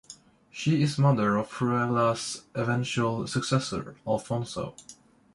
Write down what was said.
She is mother of Fruela's eventual successor, Alfonso.